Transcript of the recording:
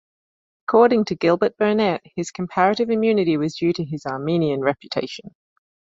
According to Gilbert Burnet, his comparative immunity was due to his Arminian reputation.